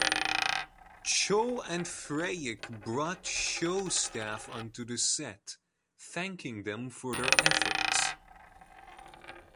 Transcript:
Cho and Feyerick brought show staff onto the set, thanking them for their efforts.